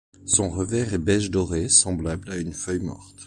Son revers est beige doré, semblable à une feuille morte.